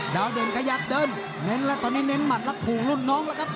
เด่นขยับเดินเน้นแล้วตอนนี้เน้นหมัดแล้วขู่รุ่นน้องแล้วครับ